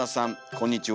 こんにちは。